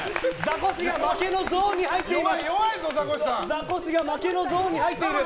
ザコシが負けのゾーンに入っています。